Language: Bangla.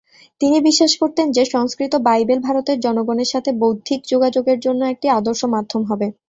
তিনি বিশ্বাস করতেন যে সংস্কৃত বাইবেল ভারতের জনগণের সাথে বৌদ্ধিক যোগাযোগের জন্য একটি আদর্শ মাধ্যম হবে।